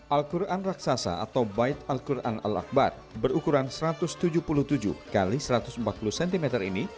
al quran raksasa atau bait al quran al akbar berukuran satu ratus tujuh puluh tujuh x satu ratus empat puluh cm ini